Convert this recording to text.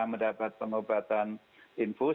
mendapat pengobatan infus